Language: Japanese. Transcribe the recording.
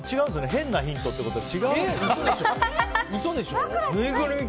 変なヒントってことは。